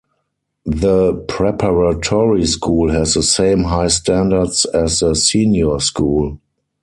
The preparatory school has the same high standards as the Senior School.